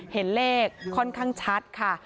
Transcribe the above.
เห็นเลขค่อนข้างชัดค่ะ